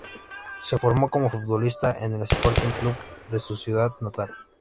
Se formó como futbolista en el Sporting Club de su ciudad natal.